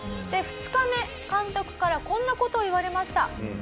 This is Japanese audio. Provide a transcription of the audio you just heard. で２日目監督からこんな事を言われました。